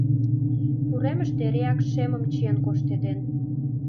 Уремыште эреак шемым чиен коштеден.